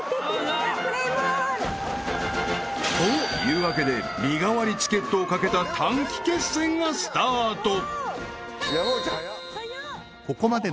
［というわけで身代わりチケットを懸けた短期決戦がスタート］